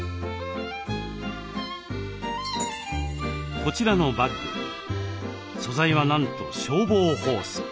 こちらのバッグ素材はなんと消防ホース。